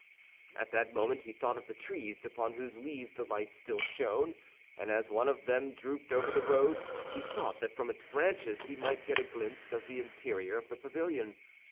At that moment he thought of the trees, upon whose leaves the light still shone; and as one of them drooped over the road, he thought that from its branches he might get a glimpse of the interior of the pavilion.